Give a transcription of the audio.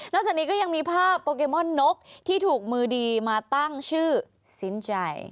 จากนี้ก็ยังมีภาพโปเกมอนนกที่ถูกมือดีมาตั้งชื่อสินใจ